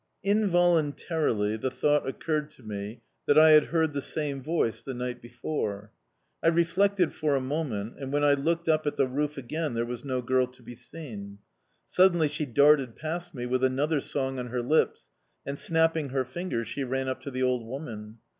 Involuntarily the thought occurred to me that I had heard the same voice the night before. I reflected for a moment, and when I looked up at the roof again there was no girl to be seen. Suddenly she darted past me, with another song on her lips, and, snapping her fingers, she ran up to the old woman.